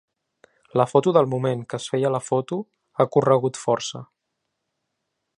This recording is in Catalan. La foto del moment que es feia la foto ha corregut força.